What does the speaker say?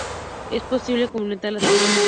Es posible comprender las acciones.